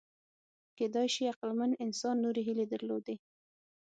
کېدای شي عقلمن انسان نورې هیلې درلودې.